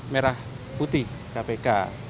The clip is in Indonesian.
merah putih kpk